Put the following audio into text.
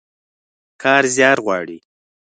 کار زيار غواړي.